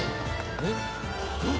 えっ？